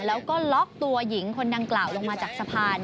แล้วก็ล็อกตัวหญิงคนดังกล่าวลงมาจากสะพาน